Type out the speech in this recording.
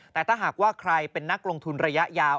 แต่ถ้าหากว่าใครเป็นนักลงทุนระยะยาว